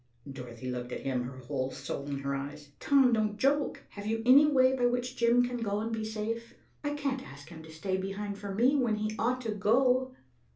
Dorothy looked at him, her whole soul in her eyes. "Tom, don't joke. Have you any way by which Jim can go and be safe? I can't ask him to stay behind for me, when he ought to go."